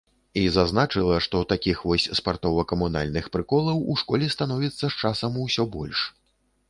І зазначыла, што такіх вось спартова-камунальных прыколаў у школе становіцца з часам усё больш.